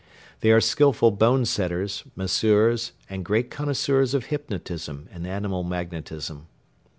They are skilful bone setters, masseurs and great connoisseurs of hypnotism and animal magnetism.